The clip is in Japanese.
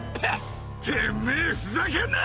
てめぇふざけんな！